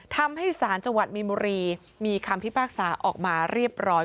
ทำให้สารจังหวัดมีนบุรีมีคำพิพากษาออกมาเรียบร้อย